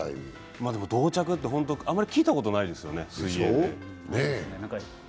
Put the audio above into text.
同着ってあまり聞いたことないですね、水泳で。